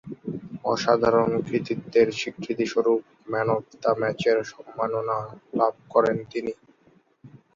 অসাধারণ কৃতিত্বের স্বীকৃতিস্বরূপ ম্যান অব দ্য ম্যাচের সম্মাননা লাভ করেন তিনি।